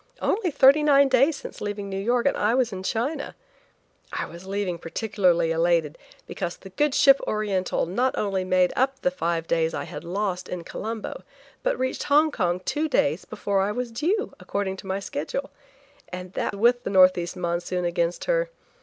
Only thirty nine days since leaving New York and I was in China. I was leaving particularly elated, because the good ship Oriental not only made up the five days I had lost in Colombo, but reached Hong Kong two days before I was due, according to my schedule. And that with the northeast monsoon against her.